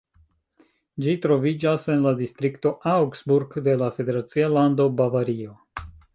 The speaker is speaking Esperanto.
Ĝi troviĝas en la distrikto Augsburg de la federacia lando Bavario.